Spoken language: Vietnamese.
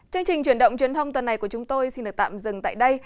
chương trình chuyển động truyền thông tuần này của chúng tôi xin được tạm dừng tại đây